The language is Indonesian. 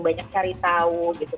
banyak cari tahu gitu